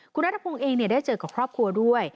คุณนัทพงศ์เองได้เจอกับครอบครัวด้วย